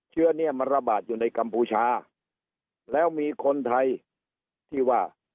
เชื้อเนี่ยมันระบาดอยู่ในกัมพูชาแล้วมีคนไทยที่ว่า